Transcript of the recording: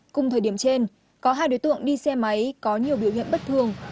cùng thời điểm trên có hai đối tượng đi xe máy có nhiều biểu hiện bất thường